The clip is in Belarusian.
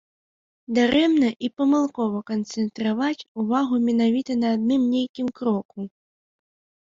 Дарэмна і памылкова канцэнтраваць увагу менавіта на адным нейкім кроку.